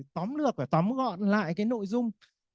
tóm lược và tóm gọn lại cái nội dung